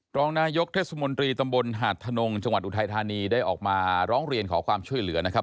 รองนายกเทศมนตรีตำบลหาดทนงจังหวัดอุทัยธานีได้ออกมาร้องเรียนขอความช่วยเหลือนะครับ